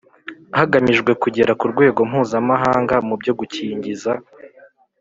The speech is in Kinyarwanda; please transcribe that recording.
hagamijwe kugera ku rwego mpuzamahanga mu byo gukingiza